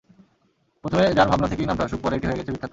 প্রথমে যাঁর ভাবনা থেকেই নামটা আসুক, পরে এটি হয়ে গেছে বিখ্যাত।